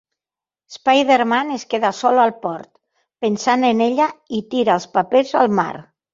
Spiderman es queda sol al port, pensant en ella i tira els papers al mar.